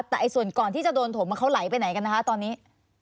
แต่ส่วนก่อนที่จะโดนถมเขาไหลไปไหนกันนะคะตอนนี้